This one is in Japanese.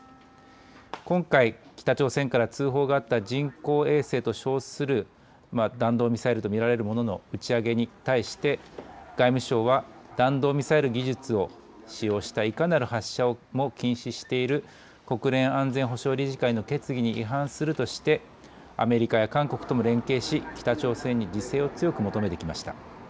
今回、北朝鮮から通報があった人工衛星と称する弾道ミサイルと見られるものの打ち上げに対して外務省は弾道ミサイル技術を使用した、いかなる発射も禁止している国連安全保障理事会の決議に違反するとしてアメリカや韓国とも連携し北朝鮮に自制を強く求めてきました。